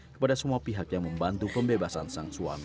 kepada semua pihak yang membantu pembebasan sang suami